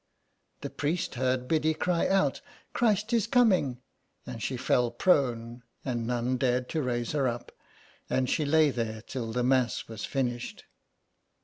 ^' The priest heard Biddy cry out '* Christ is coming," and she fell prone and none dared 109 SOME PARISHIONERS. to raise her up, and she lay there till the Mass was finished.